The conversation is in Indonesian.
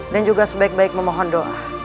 dan juga sebaik baik memohon doa